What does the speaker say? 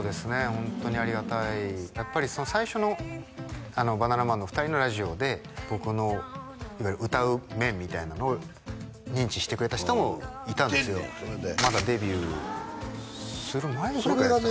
ホントにありがたいやっぱり最初のバナナマンの２人のラジオで僕のいわゆる歌う面みたいなのを認知してくれた人もいたんですよまだデビューする前ぐらいじゃないですか？